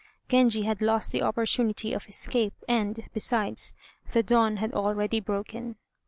Genji had lost the opportunity of escape, and, besides, the dawn had already broken.